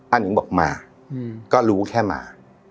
หนึ่งบอกมาก็รู้แค่มา